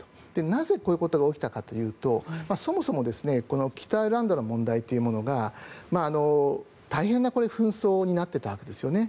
なぜ、そういうことが起きたかというとそもそも北アイルランドの問題というものが大変な紛争になっていたんですね。